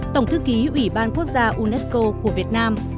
tổng thư ký ủy ban quốc gia unesco của việt nam